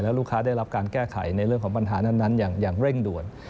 ลูกค้าได้รับการแก้ไขในเรื่องของปัญหานั้นอย่างเร่งด่วน